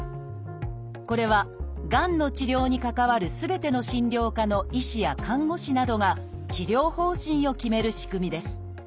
これはがんの治療に関わるすべての診療科の医師や看護師などが治療方針を決める仕組みです。